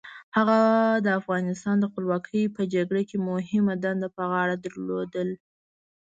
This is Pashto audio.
هغه د افغانستان د خپلواکۍ په جګړه کې مهمه دنده په غاړه درلوده.